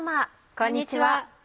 こんにちは。